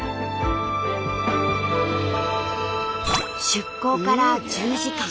出港から１０時間。